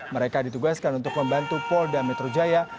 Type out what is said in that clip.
mereka ditugaskan untuk membantu polda metro jaya